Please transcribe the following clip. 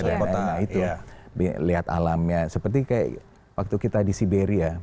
nah itu lihat alamnya seperti kayak waktu kita di siberia